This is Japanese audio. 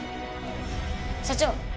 社長。